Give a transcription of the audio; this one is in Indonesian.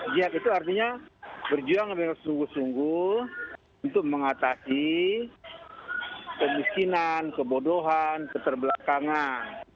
jihad itu artinya berjuang dengan sungguh sungguh untuk mengatasi kemiskinan kebodohan keterbelakangan